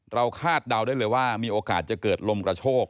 คาดเดาได้เลยว่ามีโอกาสจะเกิดลมกระโชก